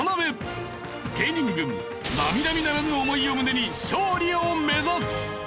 芸人軍並々ならぬ思いを胸に勝利を目指す！